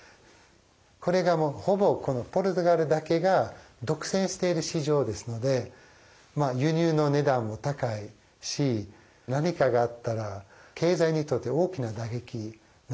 これがもうほぼポルトガルだけが独占している市場ですので輸入の値段も高いし何かがあったら経済にとって大きな打撃なんです。